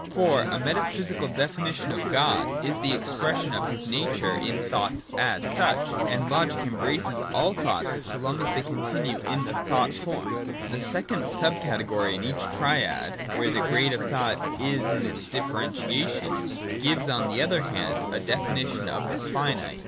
For a metaphysical definition of God is the expression of his nature in thoughts as such: and logic embraces all thoughts so long as they continue in the thought form. The second sub category in each 85.] THE DOCTRINE OF BEING. 157 triad, where the grade of thought is in its differentiation, gives, on the other hand, a definition of the finite.